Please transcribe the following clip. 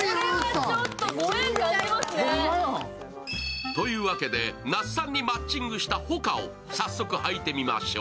これはちょっとご縁がありますね。というわけで、那須さんにマッチングしたＨＯＫＡを早速、履いてみましょう。